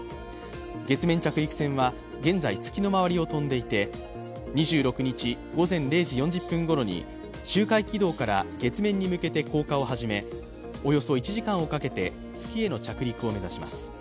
月面着陸船は現在月の周りを飛んでいて２６日午前０時４０分ごろに周回軌道から月面に向けて降下を始めおよそ１時間をかけて月への着陸を目指します。